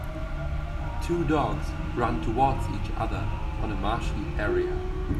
Two dogs run towards each other on a marshy area.